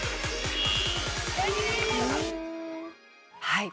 はい。